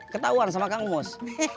ketahuan sama kang mus